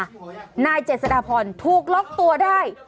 นายเจษฎาพรถูกล็อกตัวได้